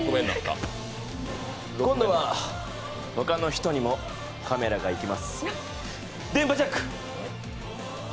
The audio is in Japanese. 今度はほかの人にもカメラがいきます。